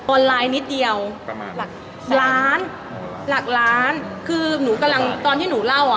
ไลน์นิดเดียวประมาณหลักล้านหลักล้านคือหนูกำลังตอนที่หนูเล่าอ่ะ